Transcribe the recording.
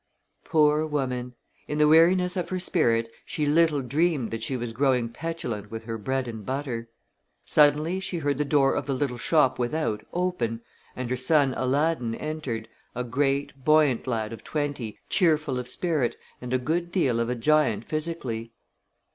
Poor woman! In the weariness of her spirit she little dreamed that she was growing petulant with her bread and butter. Suddenly she heard the door of the little shop without open, and her son Aladdin entered, a great, buoyant lad of twenty, cheerful of spirit and a good deal of a giant physically.